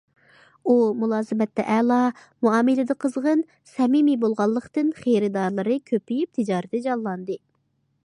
ئۇ مۇلازىمەتتە ئەلا، مۇئامىلىدە قىزغىن، سەمىمىي بولغانلىقتىن خېرىدارلىرى كۆپىيىپ تىجارىتى جانلاندى.